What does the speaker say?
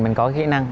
mình có khí năng